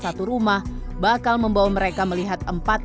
seorang anak yang dijemput oleh suaminya adalah anak yang berumur lima belas tahun